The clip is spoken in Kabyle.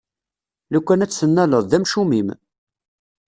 Lukan ad tt-tennaleḍ, d amcum-im!